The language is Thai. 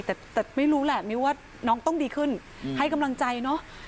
แต่ไม่รู้แหละมิ้วว่าน้องต้องดีขึ้นให้กำลังใจเนอะ